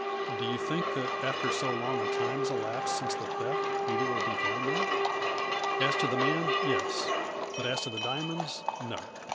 " Do you think, that, after so long a time has elapsed since the theft, either will be found there ?"" As to the man, yes, but as to the diamonds, no.